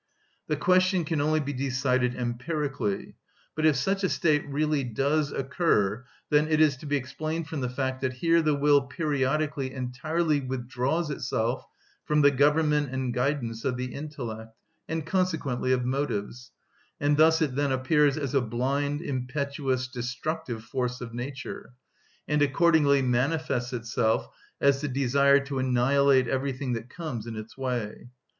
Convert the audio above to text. The question can only be decided empirically. But if such a state really does occur, then it is to be explained from the fact that here the will periodically entirely withdraws itself from the government and guidance of the intellect, and consequently of motives, and thus it then appears as a blind, impetuous, destructive force of nature, and accordingly manifests itself as the desire to annihilate everything that comes in its way.